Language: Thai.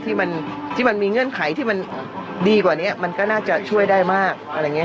ที่มันมีเงื่อนไขที่มันดีกว่านี้มันก็น่าจะช่วยได้มากอะไรอย่างนี้